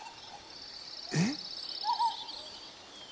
えっ！？